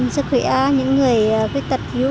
sức khỏe những người với tật yếu